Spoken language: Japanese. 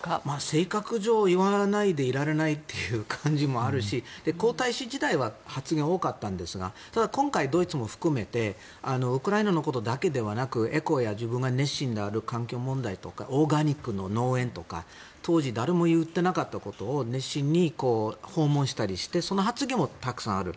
性格上言わないといられない感じもあるし皇太子時代は発言が多かったんですがただ、今回ドイツも含めてウクライナのことだけではなくエコや自分が熱心のある環境問題とかオーガニックの農園とか当時誰も言っていなかったことを熱心に訪問したりしてその発言もたくさんある。